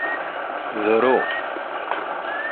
Ḍru.